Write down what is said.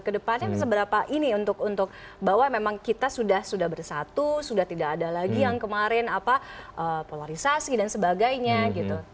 kedepannya seberapa ini untuk bahwa memang kita sudah bersatu sudah tidak ada lagi yang kemarin polarisasi dan sebagainya gitu